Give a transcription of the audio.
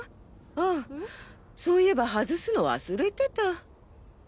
あそういえば外すの忘れてた。